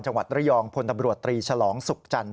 จังหวัดระยองพลตำรวจตรีฉลองสุขจันท